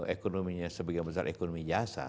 ekonominya sebagai yang besar ekonomi jasa